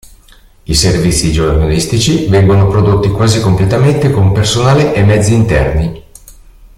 I servizi giornalistici vengono prodotti quasi completamente con personale e mezzi interni.